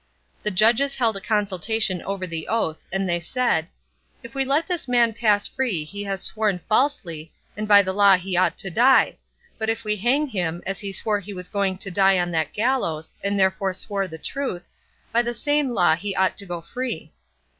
The judges held a consultation over the oath, and they said, 'If we let this man pass free he has sworn falsely, and by the law he ought to die; but if we hang him, as he swore he was going to die on that gallows, and therefore swore the truth, by the same law he ought to go free.